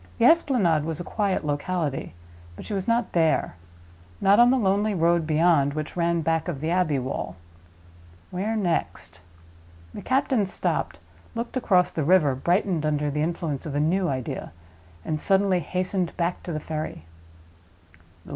The Esplanade was a quiet locality; but she was not there—not on the lonely road beyond, which ran back by the Abbey Wall. Where next? The captain stopped, looked across the river, brightened under the influence of a new idea, and suddenly hastened back to the ferry.